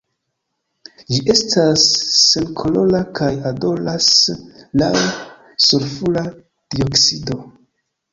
Ĝi estas senkolora kaj odoras laŭ sulfura dioksido.